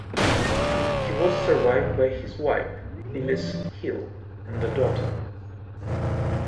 He was survived by his wife, Phyllis Hill, and a daughter.